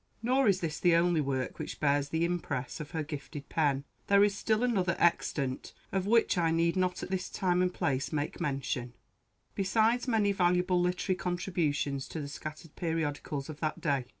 Nor is this the only work which bears the impress of her gifted pen. There is still another extant, of which I need not at this time and place make mention, besides many valuable literary contributions to the scattered periodicals of that day.